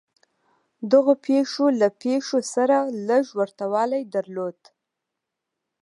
دغو پېښو له پېښو سره لږ ورته والی درلود.